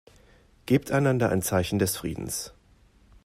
Gebt einander ein Zeichen des Friedens.